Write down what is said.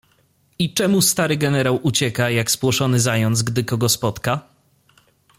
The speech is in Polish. "I czemu stary generał ucieka, jak spłoszony zając, gdy kogo spotka?"